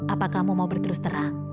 apa kamu mau berterus terang